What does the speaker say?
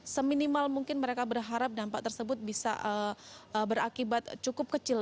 seminimal mungkin mereka berharap dampak tersebut bisa berakibat cukup kecil